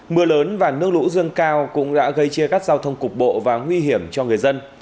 mưa lớn và nước lũ dâng cao cũng đã gây chia cắt giao thông cục bộ và nguy hiểm cho người dân